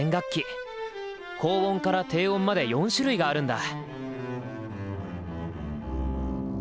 高音から低音まで４種類があるんだ。